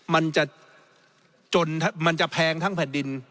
มันจะจนมันจะแพงทั้งแผ่นดิน